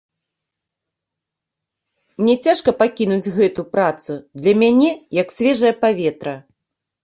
Мне цяжка пакінуць гэту працу, для мяне як свежае паветра.